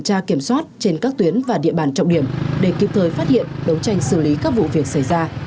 tra kiểm soát trên các tuyến và địa bàn trọng điểm để kịp thời phát hiện đấu tranh xử lý các vụ việc xảy ra